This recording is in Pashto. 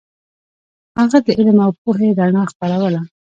هغه د علم او پوهې رڼا خپروله.